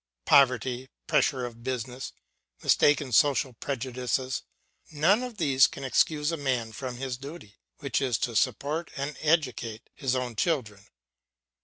Poverty, pressure of business, mistaken social prejudices, none of these can excuse a man from his duty, which is to support and educate his own children.